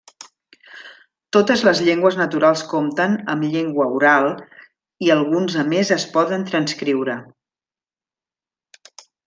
Totes les llengües naturals compten amb llengua oral i alguns a més es poden transcriure.